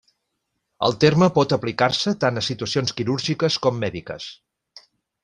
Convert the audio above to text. El terme pot aplicar-se tant a situacions quirúrgiques com mèdiques.